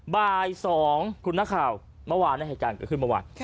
บ่ายสองคุณหน้าข่าวเมื่อวานในเหตุการณ์ก็ขึ้นเมื่อวาน